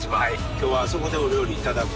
今日はあそこでお料理いただく。